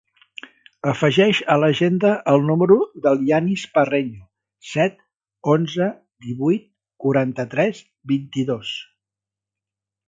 Afegeix a l'agenda el número del Yanis Parreño: set, onze, divuit, quaranta-tres, vint-i-dos.